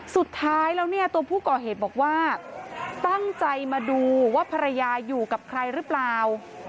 สุดท้ายแล้วเนี่ยตัวผู้ก่อเหตุบอกว่าตั้งใจมาดูว่าภรรยาอยู่กับใครหรือเปล่า